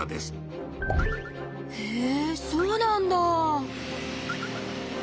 へぇそうなんだ！